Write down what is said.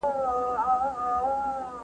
د بوري د تولید کچه باید لوړه سي.